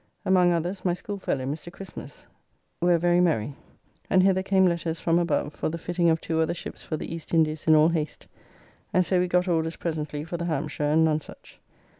Among others my schoolfellow, Mr. Christmas, where very merry, and hither came letters from above for the fitting of two other ships for the East Indies in all haste, and so we got orders presently for the Hampshire and Nonsuch.